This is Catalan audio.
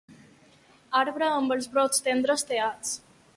Arbre amb els brots tendres tallats.